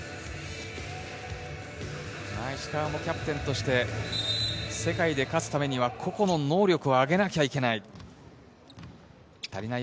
石川もキャプテンとして世界で勝つためには個々の能力を上げなきゃいけない。